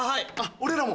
俺らも。